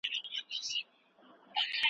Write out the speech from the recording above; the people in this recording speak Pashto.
بازار بې مرغیو نه وي.